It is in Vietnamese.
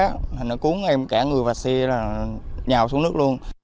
thành nó cuốn em cả người và xe là nhào xuống nước luôn